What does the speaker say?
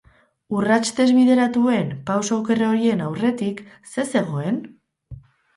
Urrats desbideratuen, pauso oker horien, aurretik, zer zegoen?